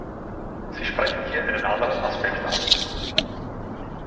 Sie sprechen hier einen anderen Aspekt an.